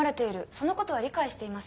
そのことは理解しています。